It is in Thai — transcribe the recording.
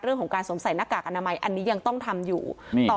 เรื่องของการสวมใส่หน้ากากอนามัยอันนี้ยังต้องทำอยู่นี่ค่ะ